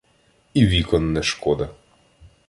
І вікон не шкода.